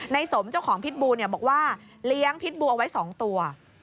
สมเจ้าของพิษบูบอกว่าเลี้ยงพิษบูเอาไว้๒ตัว